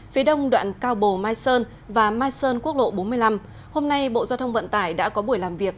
phía đông đoạn cao bồ mai sơn và mai sơn quốc lộ bốn mươi năm hôm nay bộ giao thông vận tải đã có buổi làm việc